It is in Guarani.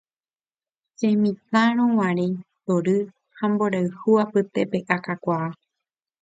Chemitãrõguare tory ha mborayhu apytépe akakuaa.